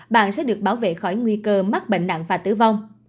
bạn sẽ được bảo vệ khỏi nguy cơ mắc bệnh nặng và tử vong